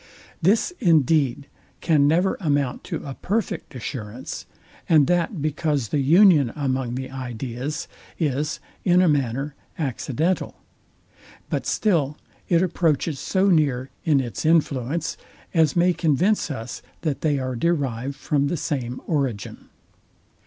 This, indeed, can never amount to a perfect assurance; and that because the union among the ideas is, in a manner, accidental: But still it approaches so near, in its influence, as may convince us, that they are derived from the same origin.